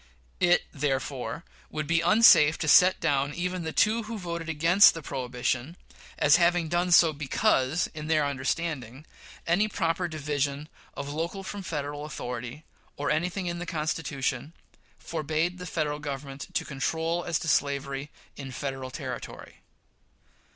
It therefore would be unsafe to set down even the two who voted against the prohibition as having done so because, in their understanding, any proper division of local from Federal authority, or anything in the Constitution, forbade the Federal Government to control as to slavery in Federal territory.